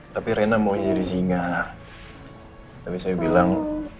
tapi rena mau jadi singa tapi saya bilang